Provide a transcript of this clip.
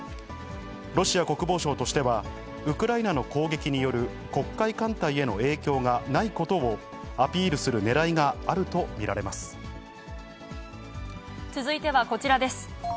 ロシア国防省としては、ウクライナの攻撃による黒海艦隊への影響がないことをアピールす続いてはこちらです。